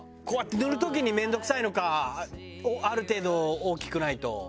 こうやって塗る時に面倒くさいのかある程度大きくないと。